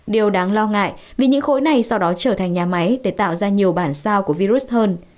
điều đáng lo ngại vì những khối này sau đó trở thành nhà máy để tạo ra nhiều bản sao của virus hơn